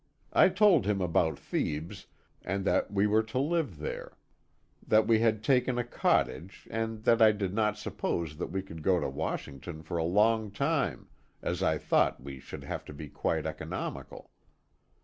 I told him about Thebes, and that we were to live there; that we had taken a cottage, and that I did not suppose that we could go to Washington for a long time, as I thought we should have to be quite economical.